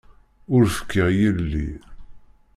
Ur fkiɣ yelli.